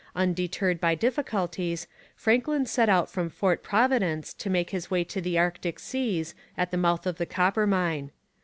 Undeterred by difficulties, Franklin set out from Fort Providence to make his way to the Arctic seas at the mouth of the Coppermine.